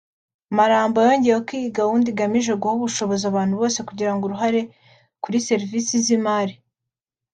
Maramba yongeyeho ko iyi gahunda iganije guha ubushobozi abantu bose kugira uruhare kuri serivisi z’imari